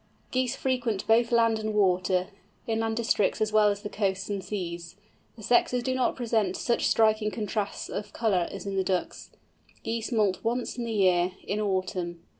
Geese frequent both land and water, inland districts as well as the coasts and seas. The sexes do not present such striking contrasts of colour as in the Ducks. Geese moult once in the year, in autumn.